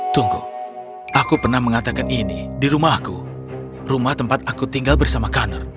tunggu aku pernah mengatakan ini di rumahku rumah tempat aku tinggal bersama conner